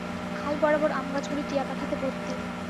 খাল বরাবর আমগাছগুলি টিয়াপাখিতে ভরতি।